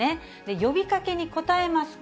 呼びかけに応えますか？